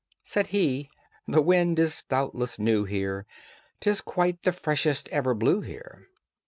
Said he, "This wind is doubtless new here: 'Tis quite the freshest ever blew here."